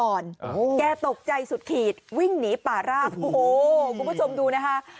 โอ้โหแกตกใจสุดขีดวิ่งหนีป่าราบโอ้โหคุณผู้ชมดูนะคะ